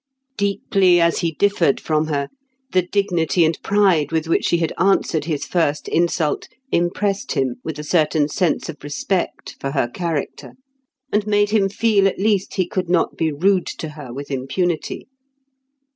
Deeply as he differed from her, the dignity and pride with which she had answered his first insult impressed him with a certain sense of respect for her character, and made him feel at least he could not be rude to her with impunity.